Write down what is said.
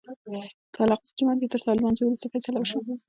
په الاقصی جومات کې تر سهار لمانځه وروسته فیصله وشوه.